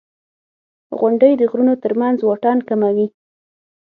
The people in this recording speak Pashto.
• غونډۍ د غرونو تر منځ واټن کموي.